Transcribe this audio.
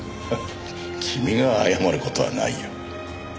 君が謝る事はないよ。